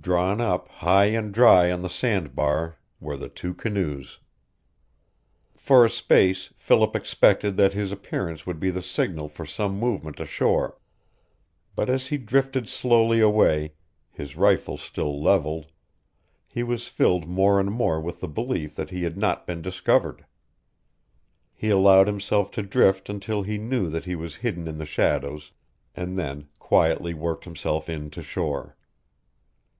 Drawn up high and dry on the sand bar were the two canoes. For a space Philip expected that his appearance would be the signal for some movement ashore; but as he drifted slowly away, his rifle still leveled, he was filled more and more with the belief that he had not been discovered. He allowed himself to drift until he knew that he was hidden in the shadows, and then quietly worked himself in to shore.